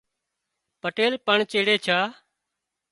پٽيل پڻ چيڙي ڇا